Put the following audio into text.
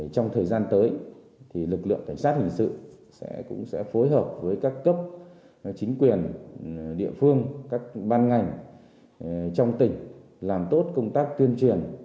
trong thời gian tới lực lượng cảnh sát hình sự cũng sẽ phối hợp với các cấp chính quyền địa phương các ban ngành trong tỉnh làm tốt công tác tuyên truyền